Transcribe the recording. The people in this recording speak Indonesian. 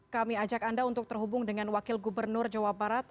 kami ajak anda untuk terhubung dengan wakil gubernur jawa barat